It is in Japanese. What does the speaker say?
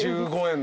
１５円？